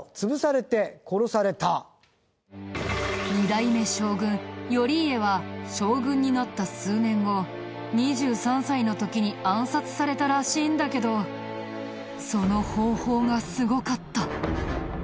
２代目将軍頼家は将軍になった数年後２３歳の時に暗殺されたらしいんだけどその方法がすごかった。